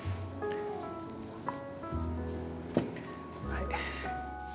はい。